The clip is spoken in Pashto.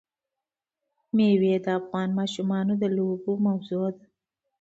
مېوې د افغان ماشومانو د لوبو موضوع ده.